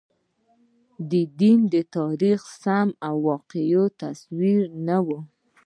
د دین د تاریخ سم او واقعي تصویر نه وي.